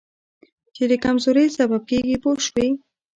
چې د کمزورۍ سبب کېږي پوه شوې!.